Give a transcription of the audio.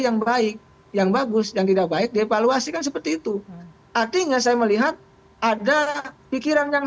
yang baik yang bagus yang tidak baik dievaluasikan seperti itu artinya saya melihat ada pikiran yang